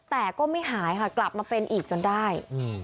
แต่ก็ไม่หายค่ะกลับมาเป็นอีกจนได้